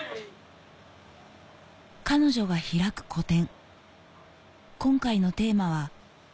彼女が開く個展